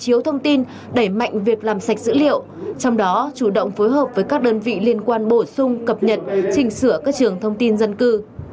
cơ chiếu thông tin đẩy mạnh việc làm sạch dữ liệu trong đó chủ động phối hợp với các đơn vị liên quan bổ sung cập nhật chỉnh sửa các trường thông tin dân cư